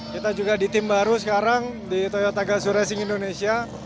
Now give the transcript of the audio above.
kita juga di tim baru sekarang di toyota gazoo racing indonesia